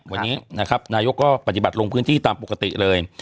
วันนี้นะครับนายกก็ปฏิบัติลงพื้นที่ตามปกติเลย